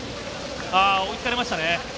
追いつかれましたね。